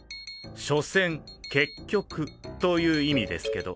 「所詮結局」という意味ですけど。